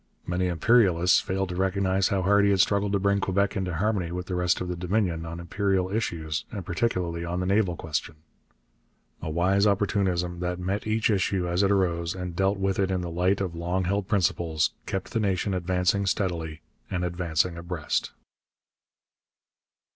Many imperialists failed to recognize how hard he had struggled to bring Quebec into harmony with the rest of the Dominion on imperial issues and particularly on the naval question. A wise opportunism, that met each issue as it arose and dealt with it in the light of long held principles, kept the nation advancing steadily and advancing abreast.